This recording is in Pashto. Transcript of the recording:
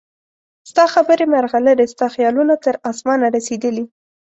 ستا خبرې مرغلرې ستا خیالونه تر اسمانه رسیدلي